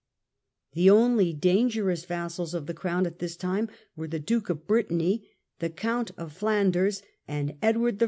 The only dangerous vassals of the Crown at this time were the Duke of Brittany, the Count of Flanders, and Edward I.